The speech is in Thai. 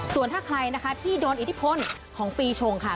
ส่วนถ้าใครนะคะที่โดนอิทธิพลของปีชงค่ะ